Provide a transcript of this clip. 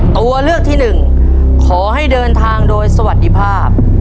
ตัวเลือกที่หนึ่งขอให้เดินทางโดยสวัสดีภาพ